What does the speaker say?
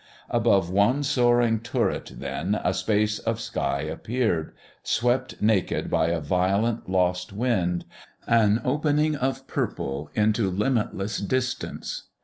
Above one soaring turret, then, a space of sky appeared, swept naked by a violent, lost wind an opening of purple into limitless distance.